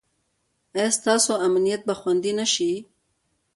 ایا ستاسو امنیت به خوندي نه شي؟